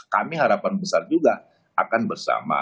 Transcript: kami harapan besar juga akan bersama